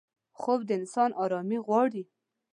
خوب د انسان آرامي غواړي